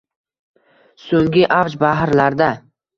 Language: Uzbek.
So‘nggi avj bahrlarda